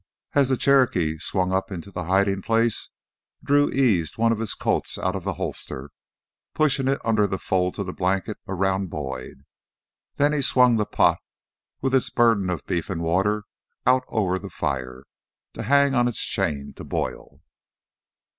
As the Cherokee swung up into the hiding place, Drew eased one of his Colts out of the holster, pushing it under the folds of the blankets around Boyd. Then he swung the pot, with its burden of beef and water, out over the fire to hang on its chain to boil.